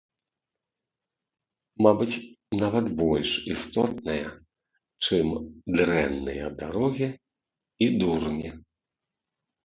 Мабыць, нават больш істотная, чым дрэнныя дарогі і дурні.